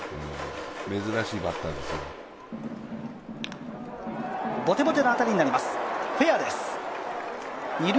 珍しいバッターです。